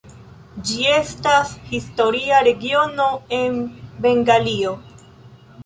Ĝi estas historia regiono en Bengalio.